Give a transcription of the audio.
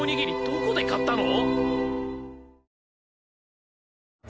どこで買ったの！？